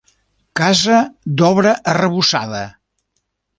Casa d'obra arrebossada.